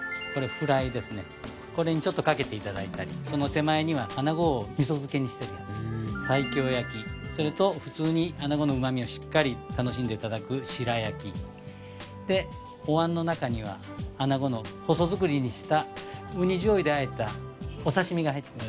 これにちょっとかけていただいたりその手前にはあなごを味噌漬けにしてるやつ西京焼きそれと普通にあなごの旨味をしっかり楽しんでいただく白焼きでおわんの中にはあなごの細づくりにしたウニ醤油であえたお刺身が入ってます